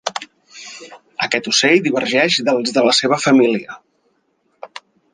Aquest ocell divergeix dels de la seva família.